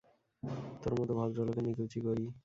তোর মতো ভদ্রলোকের নিকুচি করি!